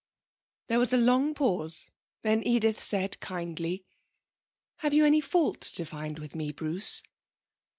There was a long pause, then Edith said kindly: 'Have you any fault to find with me, Bruce?'